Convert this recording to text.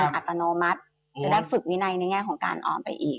อัตโนมัติจะได้ฝึกวินัยในแง่ของการออมไปอีก